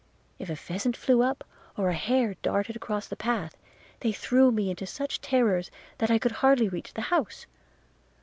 – If a pheasant flew up, or an hare darted across the path, they threw me into such terrors, that I could hardly reach the house.